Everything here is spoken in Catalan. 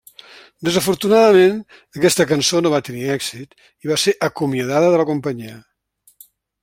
Desafortunadament, aquesta cançó no va tenir èxit i va ser acomiadada de la companyia.